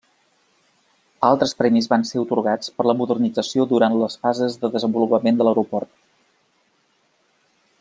Altres premis van ser atorgats per la modernització durant les fases de desenvolupament de l'aeroport.